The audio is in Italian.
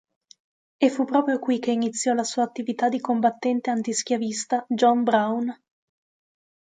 E fu proprio qui che iniziò la sua attività di combattente antischiavista John Brown.